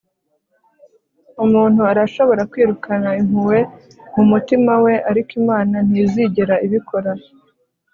umuntu arashobora kwirukana impuhwe mu mutima we, ariko imana ntizigera ibikora